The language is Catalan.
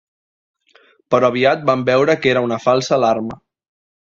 Però aviat vam veure que era una falsa alarma.